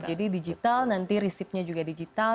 jadi digital nanti resepnya juga digital